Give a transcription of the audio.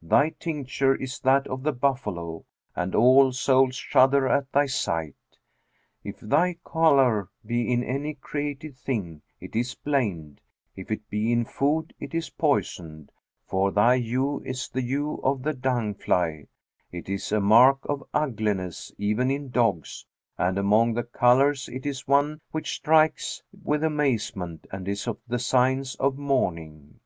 Thy tincture is that of the buffalo, and all souls shudder at thy sight. If thy colour be in any created thing, it is blamed; if it be in food, it is poisoned; for thy hue is the hue of the dung fly; it is a mark of ugliness even in dogs; and among the colours it is one which strikes with amazement and is of the signs of mourning.